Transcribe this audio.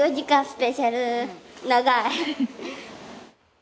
スペシャル長い。